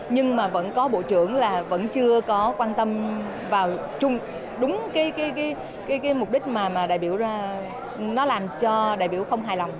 nhưng mà vẫn có bộ trưởng là vẫn chưa có quan tâm vào đúng mục đích mà đại biểu làm cho đại biểu không hài lòng